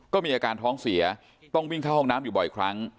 ก็มีอาการท้องเสียต้องวิ่งเข้าห้องน้ำอยู่บ่อยครั้ง